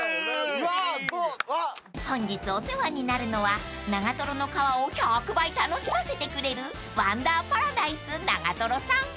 ［本日お世話になるのは長瀞の川を１００倍楽しませてくれるワンダーパラダイス長瀞さん］